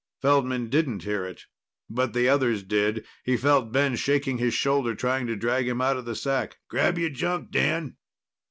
Feldman didn't hear it, but the others did. He felt Ben shaking his shoulder, trying to drag him out of the sack. "Grab your junk, Dan."